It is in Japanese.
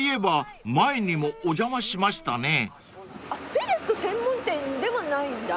フェレット専門店ではないんだ。